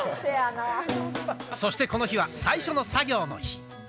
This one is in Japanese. そしてこの日は最初の作業の日。